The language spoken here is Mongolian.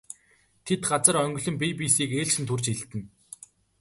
Тэд газар онгилон бие биесийг ээлжлэн түрж элдэнэ.